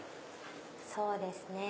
そうですね。